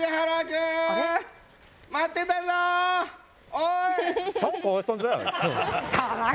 おい！